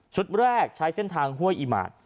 แรกใช้เส้นทางห้วยอิหมาตร